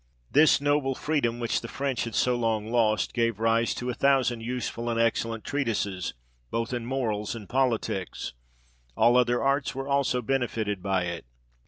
This noble freedom, which the French had so long lost, gave rise to a thousand useful and excellent treatises, both in morals and politics : all other arts were also benefited by it.